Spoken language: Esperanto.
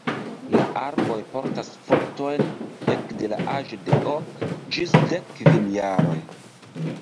La arboj portas fruktojn ekde la aĝo de ok ĝis dek kvin jaroj.